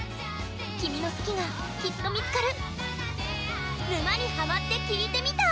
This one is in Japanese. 君の好きが、きっと見つかる。